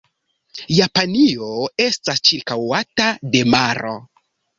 Japanio estas ĉirkaŭata de maro.